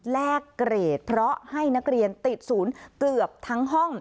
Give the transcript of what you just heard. แลกเกรดเพราะให้นักเรียนติดศูนย์เกือบทั้งห้อง